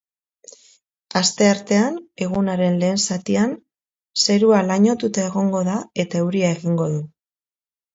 Asteartean, egunaren lehen zatian zerua lainotuta egongo da eta euria egingo du.